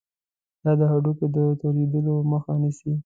دا د هډوکو د سولیدلو مخه نیسي.